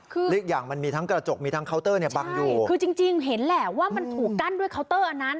คืออีกอย่างมันมีทั้งกระจกมีทั้งเคาน์เตอร์เนี่ยบังอยู่คือจริงจริงเห็นแหละว่ามันถูกกั้นด้วยเคาน์เตอร์อันนั้น